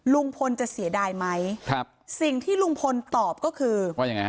ลุงพลจะเสียดายไหมสิ่งที่ลุงพลตอบก็คือ